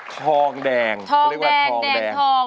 ทองแดงทองแดงแดงทอง